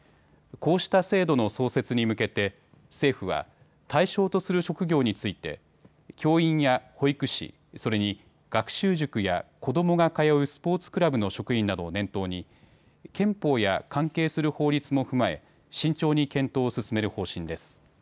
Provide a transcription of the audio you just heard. こうした制度の創設に向けて政府は対象とする職業について教員や保育士、それに学習塾や子どもが通うスポーツクラブの職員などを念頭に憲法や関係する法律も踏まえ慎重に検討を進める方針です。